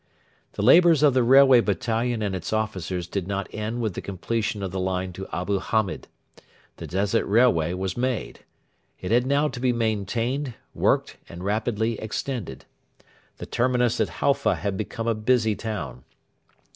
The labours of the Railway Battalion and its officers did not end with the completion of the line to Abu Hamed. The Desert Railway was made. It had now to be maintained, worked, and rapidly extended. The terminus at Halfa had become a busy town.